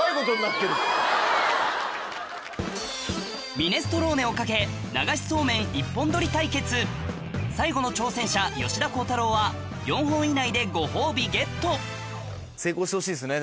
ミネストローネを懸け流しそうめん一本取り対決最後の挑戦者吉田鋼太郎は成功してほしいですね。